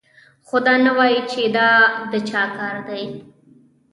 خو دا نه وايي چې دا د چا کار دی